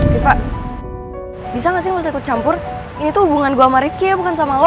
rifqa bisa gak sih lo ikut campur ini tuh hubungan gue sama rifqi bukan sama lo